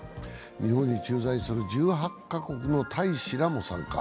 日本に駐在する１８か国の大使らも参加。